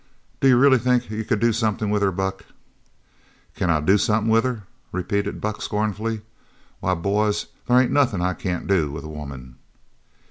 "D'you really think you could do somethin' with her, Buck?" "Can I do somethin' with her?" repeated Buck scornfully. "Why, boys, there ain't nothin' I can't do with a woman."